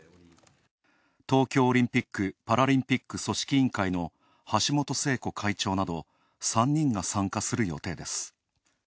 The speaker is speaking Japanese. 東京オリンピック・パラリンピック組織委員会の橋本聖子会長など３人が参加する予定です。